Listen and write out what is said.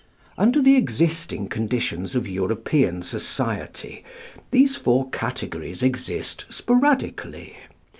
Under the existing conditions of European Society, these four categories exist sporadically.